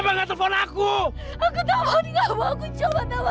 sampai jumpa di video selanjutnya